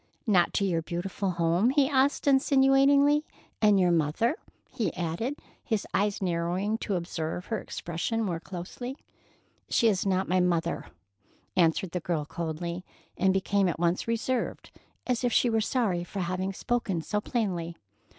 "Not to your beautiful home?" he asked insinuatingly. "And your mother?" he added, his eyes narrowing to observe her expression more closely. "She is not my mother," answered the girl coldly, and became at once reserved, as if she were sorry for having spoken so plainly.